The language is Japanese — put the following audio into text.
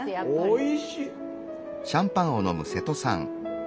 おいしい。